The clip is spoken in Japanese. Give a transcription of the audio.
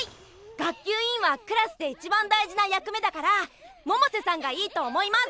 学級委員はクラスでいちばん大事な役目だから百瀬さんがいいと思います！